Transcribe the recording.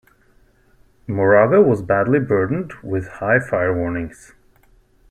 Moraga was badly burdened, with high fire warnings.